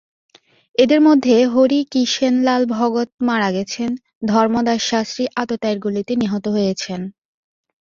এদের মধ্যে হরিকিষেণলাল ভগত মারা গেছেন, ধর্মদাস শাস্ত্রী আততায়ীর গুলিতে নিহত হয়েছেন।